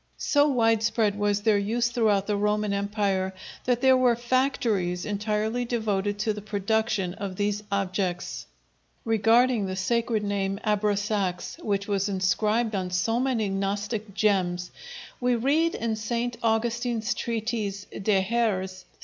So widespread was their use throughout the Roman Empire, that there were factories entirely devoted to the production of these objects. Regarding the sacred name Abrasax, which was inscribed on so many Gnostic gems, we read in St. Augustine's treatise De hæres.